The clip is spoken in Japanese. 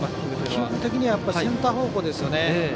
基本的にはセンター方向です。